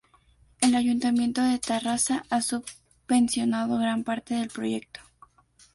El Ayuntamiento de Tarrasa ha subvencionado gran parte del proyecto.